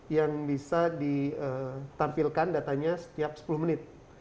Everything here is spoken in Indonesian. yang bisa ditampilkan datanya setiap sepuluh menit